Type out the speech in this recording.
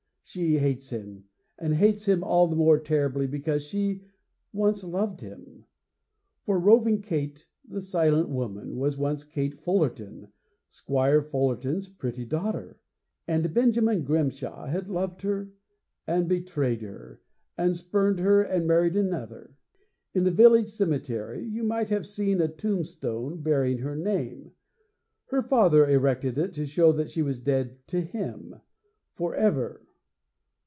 She hates him, and hates him all the more terribly because she once loved him. For Roving Kate, the Silent Woman, was once Kate Fullerton, Squire Fullerton's pretty daughter. And Benjamin Grimshaw had loved her, and betrayed her, and spurned her, and married another. In the village cemetery you might have seen a tombstone bearing her name. Her father erected it to show that she was dead to him for ever.